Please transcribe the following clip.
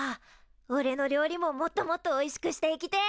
おれの料理ももっともっとおいしくしていきてえ！